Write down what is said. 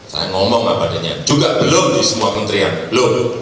saya ngomong apa adanya juga belum di semua kementerian belum